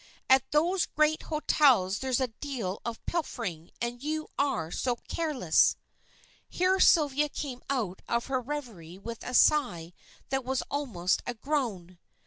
At those great hotels there's a deal of pilfering, and you are so careless." Here Sylvia came out of her reverie with a sigh that was almost a groan.